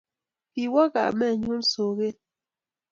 kiwo kamenyu soket